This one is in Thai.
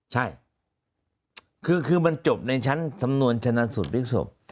ใช่คือมันจบในชั้นสำนวนชนะสูตรพลิกศพ